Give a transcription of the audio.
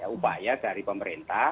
upaya dari pemerintah